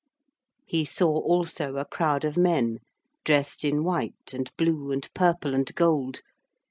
He saw also a crowd of men, dressed in white and blue and purple and gold.